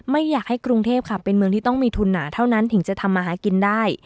ไม่อยากให้กรุงเทพค่ะเป็นเมืองที่ต้องมีทุนหนาเท่านั้นถึงจะทำมาหากินได้